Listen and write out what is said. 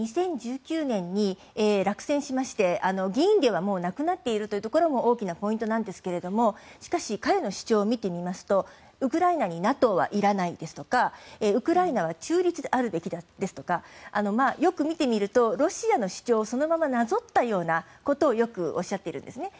２０１９年に落選しまして議員ではもうなくなっているところも大きなポイントなんですがしかし、彼の主張を見てみますとウクライナにＮＡＴＯはいらないですとかウクライナは中立であるべきですとかよく見てみると、ロシアの主張をそのままなぞったようなことをよくおっしゃっているんです。